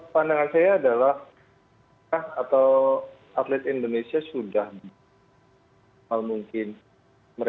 pandangan saya adalah atlet indonesia sudah memiliki kemungkinan